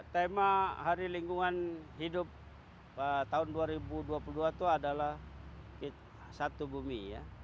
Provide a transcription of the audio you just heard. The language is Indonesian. tema hari lingkungan hidup tahun dua ribu dua puluh dua itu adalah satu bumi